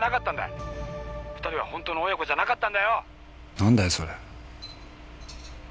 何だよそれ。